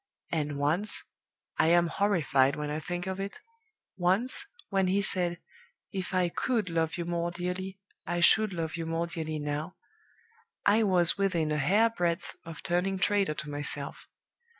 And once I am horrified when I think of it once, when he said, 'If I could love you more dearly, I should love you more dearly now,' I was within a hair breadth of turning traitor to myself.